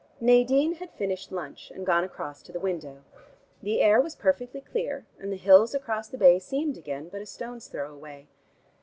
Nadine had finished lunch and gone across to the window. The air was perfectly clear, and the hills across the bay seemed again but a stone's throw away.